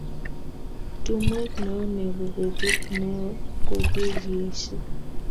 Tumwek neu nebo betut neo kokikiesho